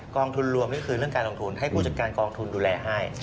องทุนรวมก็คือเรื่องการลงทุนให้ผู้จัดการกองทุนดูแลให้